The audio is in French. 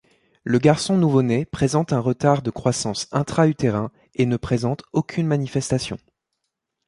Le garçon nouveau-né présente un retard de croissance intra-utérin et ne présente aucune manifestation.